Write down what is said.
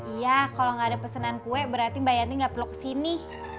iya kalo gak ada pesenan kue berarti mbak yanti gak perlu kesini